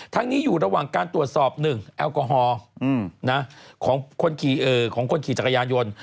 นี้อยู่ระหว่างการตรวจสอบ๑แอลกอฮอล์ของคนขี่จักรยานยนต์